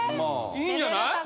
いいんじゃない？